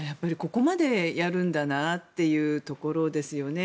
ここまでやるんだなというところですよね。